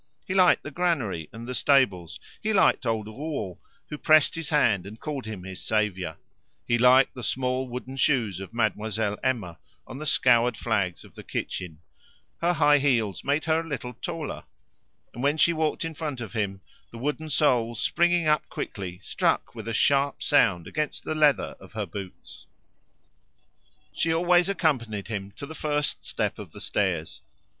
He liked the granary and the stables; he liked old Rouault, who pressed his hand and called him his saviour; he liked the small wooden shoes of Mademoiselle Emma on the scoured flags of the kitchen her high heels made her a little taller; and when she walked in front of him, the wooden soles springing up quickly struck with a sharp sound against the leather of her boots. She always accompanied him to the first step of the stairs.